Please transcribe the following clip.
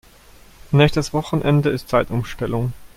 Nächstes Wochenende ist Zeitumstellung.